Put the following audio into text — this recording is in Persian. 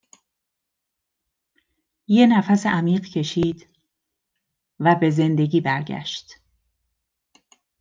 یه نفس عمیق کشید و به زندگی برگشت